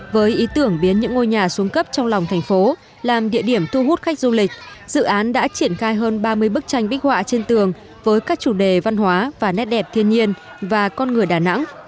với ý tưởng biến những ngôi nhà xuống cấp trong lòng thành phố làm địa điểm thu hút khách du lịch dự án đã triển khai hơn ba mươi bức tranh bích họa trên tường với các chủ đề văn hóa và nét đẹp thiên nhiên và con người đà nẵng